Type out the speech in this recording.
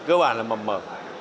cơ bản là mập mở